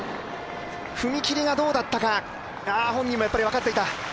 踏み切りがどうだったか本人も分かっていた。